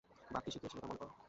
বাক কী শিখিয়েছিল তা মনে করো।